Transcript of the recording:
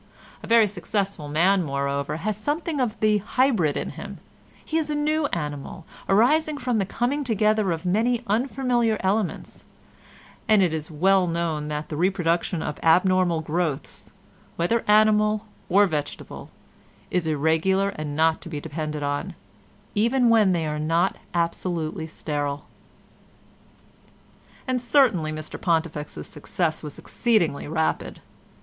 A very successful man, moreover, has something of the hybrid in him; he is a new animal, arising from the coming together of many unfamiliar elements and it is well known that the reproduction of abnormal growths, whether animal or vegetable, is irregular and not to be depended upon, even when they are not absolutely sterile. And certainly Mr Pontifex's success was exceedingly rapid.